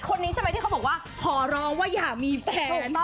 คนนี้ใช่ไหมที่เขาบอกว่าขอร้องว่าอยากมีแฟน